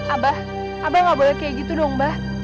abah abah nggak boleh kayak gitu dong mbah